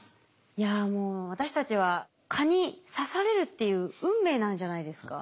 いやもう私たちは蚊に刺されるっていう運命なんじゃないですか？